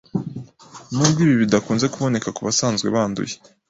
Nubwo ibi bidakunze kuboneka ku basanzwe banduye